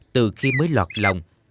từ khi mới lọt lòng